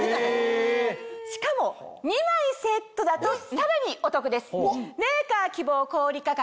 しかも２枚セットだとさらにお得です。